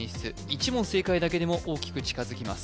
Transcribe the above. １問正解だけでも大きく近づきます